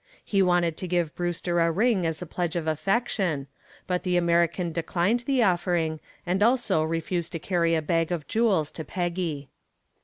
He wanted to give Brewster a ring as a pledge of affection, but the American declined the offering, and also refused to carry a bag of jewels to Peggy.